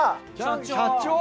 社長！